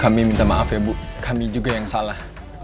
kami minta maaf ya bu kami juga yang salah